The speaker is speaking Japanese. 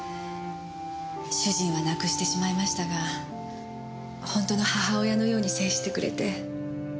主人は亡くしてしまいましたが本当の母親のように接してくれて。